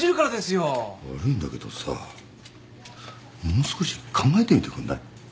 悪いんだけどさもう少し考えてみてくんない？